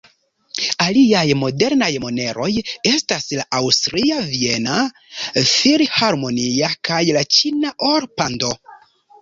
Aliaj modernaj moneroj estas la aŭstria Viena Filharmonia kaj la ĉina Or-Pando.